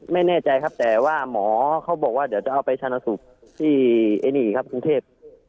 ไม่แน่ใจครับแต่ว่าหมอเขาบอกว่าเดี๋ยวจะเอาไปชนะสูตรที่ไอ้นี่ครับกรุงเทพ